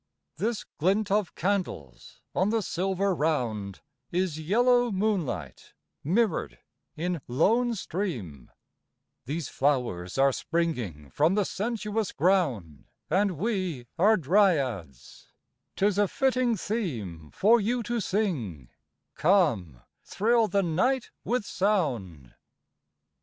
This glint of candles on the silver round Is yellow moonlight, mirrored in lone stream, These flowers are springing from the sensuous ground, And we are Dryads, 'tis a fitting theme For you to sing; come—thrill the night with sound.